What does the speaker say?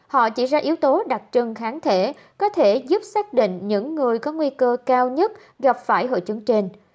họ chỉ ra yếu tố đặc trưng kháng thể có thể giúp xác định những người có nguy cơ cao nhất gặp phải hội chứng trên